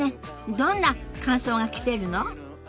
どんな感想が来てるの？